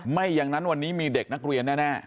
ไม่อย่างนั้นวันนี้มีเด็กนักเรียนแน่